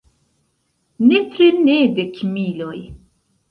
Nepre ne dekmiloj.